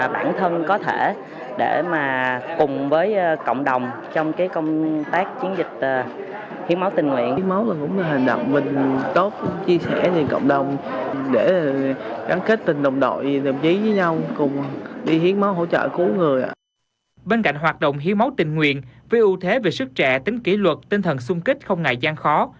bên cạnh hoạt động hiến máu tình nguyện với ưu thế về sức trẻ tính kỷ luật tinh thần xung kích không ngại gian khó